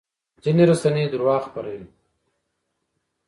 ځینې رسنۍ درواغ خپروي.